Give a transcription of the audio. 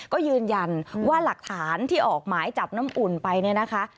ก็ยืนยันว่าหลักฐานที่ออกหมายจับน้ำอุ่นไปเนี่ยนะคะ